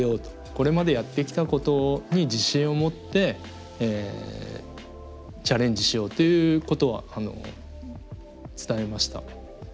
これまでやってきたことに自信を持ってチャレンジしようということは伝えました。